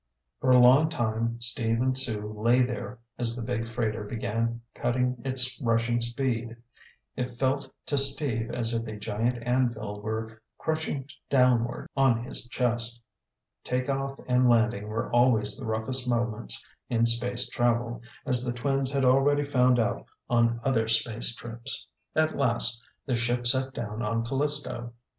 For a long time, Steve and Sue lay there as the big freighter began cutting its rushing speed. It felt to Steve as if a giant anvil were crushing downward on his chest. Take off and landing were always the roughest moments in space travel, as the twins had already found out on other space trips. At last the ship set down on Callisto.